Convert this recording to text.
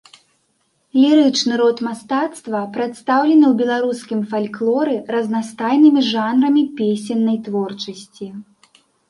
Лірычны род мастацтва прадстаўлены ў беларускім фальклоры разнастайнымі жанрамі песеннай творчасці.